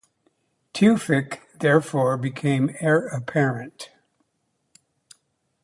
Tewfik therefore became heir-apparent.